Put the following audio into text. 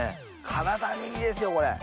体にいいですよこれ。